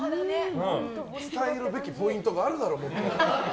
伝えるべきポイントがあるだろ、もっと！